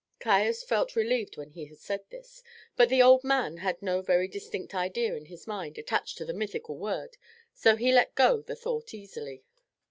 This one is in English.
Caius felt relieved when he had said this, but the old man had no very distinct idea in his mind attached to the mythical word, so he let go the thought easily.